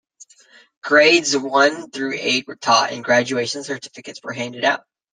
Grades one through eight were taught, and graduation certificates were handed out.